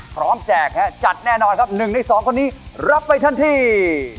แจกฮะจัดแน่นอนครับ๑ใน๒คนนี้รับไปทันที